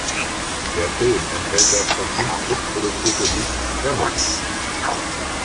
Der Film enthält das von ihm mitproduzierte Lied "Family".